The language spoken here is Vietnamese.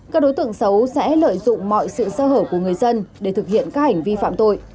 các đối tượng xấu sẽ lợi dụng mọi sự sơ hở của người dân để thực hiện các hành vi phạm tội